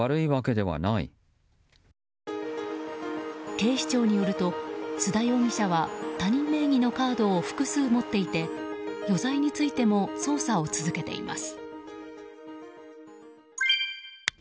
警視庁によると、須田容疑者は他人名義のカードを複数持っていて余罪についても捜査を続けています。